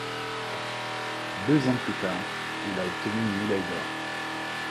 Deux ans plus tard, il a obtenu une médaille d'or.